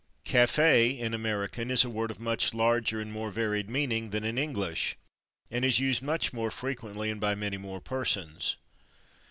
/Café/, in American, is a word of much larger and more varied meaning than in English and is used much more frequently, and by many more persons.